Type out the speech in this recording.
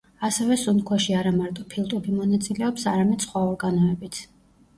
ასევე სუნთქვაში არა მარტო ფილტვები მონაწილეობს, არამედ სხვა ორგანოებიც.